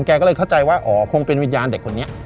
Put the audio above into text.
แกก็เลยเข้าใจว่าอ๋อคงเป็นวิญญาณเด็กคนนี้